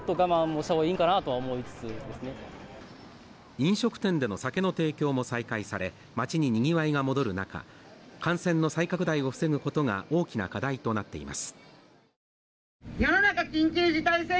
飲食店での酒のの提供も再開され、街ににぎわいが戻る中、感染の再拡大を防ぐことが大きな課題となっています。